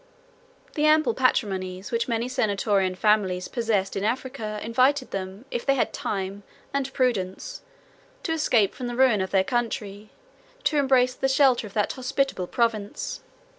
112 The ample patrimonies, which many senatorian families possessed in Africa, invited them, if they had time, and prudence, to escape from the ruin of their country, to embrace the shelter of that hospitable province.